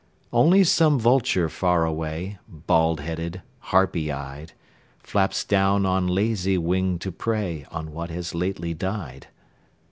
Only some vulture far away, Bald headed, harpy eyed, Flaps down on lazy wing to prey On what has lately died.